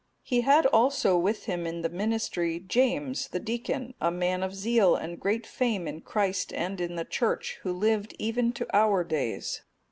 He had also with him in the ministry, James, the deacon,(255) a man of zeal and great fame in Christ and in the church, who lived even to our days.